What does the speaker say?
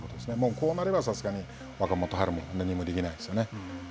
こうなれば、さすがに若元春も何もできないですよね。